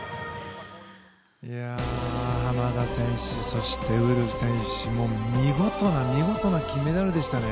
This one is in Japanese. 濱田選手、ウルフ選手も見事な見事な金メダルでしたね。